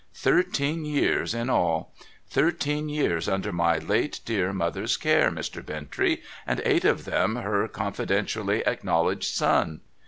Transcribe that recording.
Thirteen years in all ! Thirteen years under my late dear mother's care, Mr. Bintrey, and eight of them her con • fidentially acknowledged son